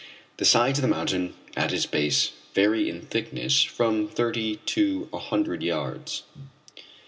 The sides of the mountain at its base vary in thickness from thirty to a hundred yards.